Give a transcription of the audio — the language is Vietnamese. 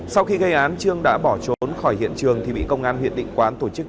sau khi gây án trương đã bỏ trốn khỏi hiện trường thì bị công an huyện định quán tổ chức